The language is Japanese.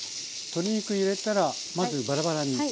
鶏肉入れたらまずバラバラに。